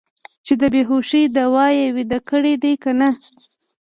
چې د بې هوشۍ دوا یې ویده کړي دي که نه.